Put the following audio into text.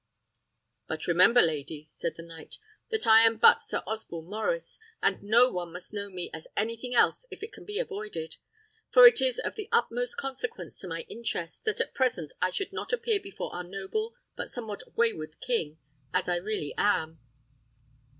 "But remember, lady," said the knight, "that I am but Sir Osborne Maurice, and no one must know me as anything else if it can be avoided; for it is of the utmost consequence to my interest, that at present I should not appear before our noble but somewhat wayward king, as I really am.